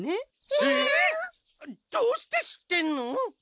えっ！？どうして知ってるの！？